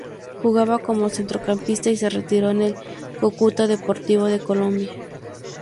Jugaba como centrocampista y se retiró en el Cúcuta Deportivo de Colombia.